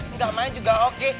nggak main juga oke